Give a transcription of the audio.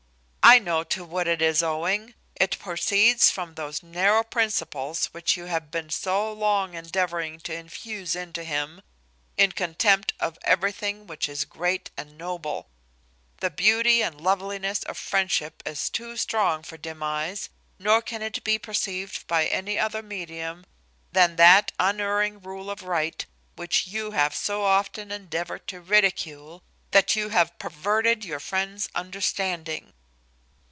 I know to what it is owing; it proceeds from those narrow principles which you have been so long endeavouring to infuse into him, in contempt of everything which is great and noble. The beauty and loveliness of friendship is too strong for dim eyes, nor can it be perceived by any other medium than that unerring rule of right, which you have so often endeavoured to ridicule, that you have perverted your friend's understanding."